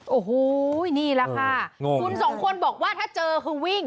โอ้โหนี่แหละค่ะคุณสองคนบอกว่าถ้าเจอคือวิ่ง